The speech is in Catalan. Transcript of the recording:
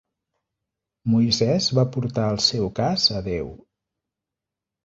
Moisès va portar el seu cas a Déu.